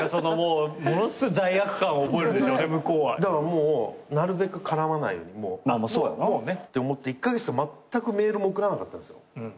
もうなるべく絡まないようにって思って１カ月まったくメールも送らなかったんですよ。